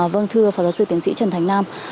vâng thưa phó giáo sư tiến sĩ trần thành nam